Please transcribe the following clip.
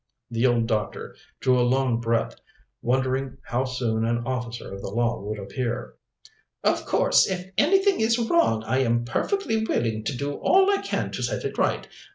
The old doctor drew a long breath, wondering how soon an officer of the law would appear. "Of course if anything is wrong I am perfectly willing to do all I can to set it right.